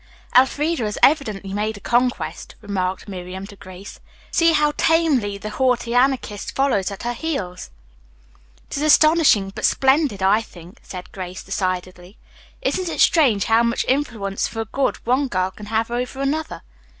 "Elfreda has evidently made a conquest," remarked Miriam to Grace. "See how tamely the haughty Anarchist follows at her heels." "It's astonishing, but splendid, I think," said Grace decidedly. "Isn't it strange how much influence for good one girl can have over another?